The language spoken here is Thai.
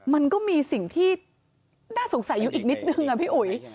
มันก็มีสิ่งที่น่าสงสัยอยู่อีกนิดนึงอะพี่อุ๋ย